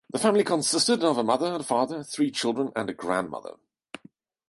The family consisted of a mother and father, three children and a grandmother.